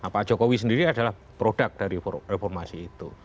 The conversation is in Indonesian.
pak jokowi sendiri adalah produk dari reformasi itu